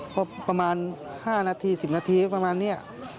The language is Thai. พอประมาณ๕นาที๑๐นาทีประมาณนี้